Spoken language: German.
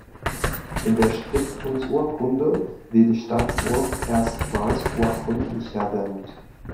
In der Stiftungsurkunde wird die Stadt Burg erstmals urkundlich erwähnt.